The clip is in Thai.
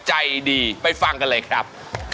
ใจดีไปฟังกันเลยครับ